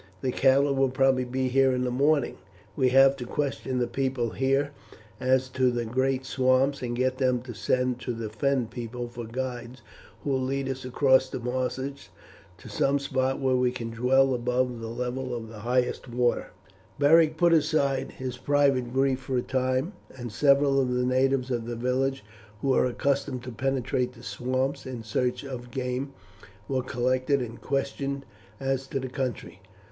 The cattle will probably be here in the morning. We have to question the people here as to the great swamps, and get them to send to the Fen people for guides who will lead us across the marshes to some spot where we can dwell above the level of the highest waters." Beric put aside his private grief for the time, and several of the natives of the village who were accustomed to penetrate the swamps in search of game were collected and questioned as to the country.